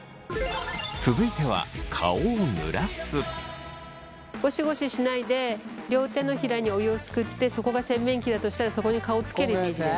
続いてはゴシゴシしないで両手のひらにお湯をすくってそこが洗面器だとしたらそこに顔をつけるイメージです。